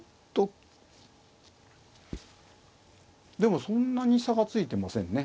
でもそんなに差がついてませんね。